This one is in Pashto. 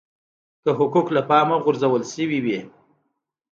که حقوق له پامه غورځول شوي وي.